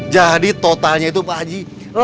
jadi totalnya itu pak aji